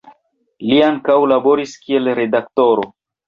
Li ankaŭ laboris kiel redaktoro.